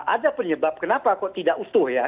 ada penyebab kenapa kok tidak utuh ya